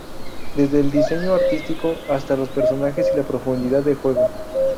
Desde el diseño artístico, hasta los personajes y la profundidad de juego"".